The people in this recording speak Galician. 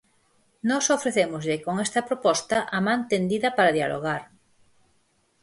Nós ofrecémoslles con esta proposta a man tendida para dialogar.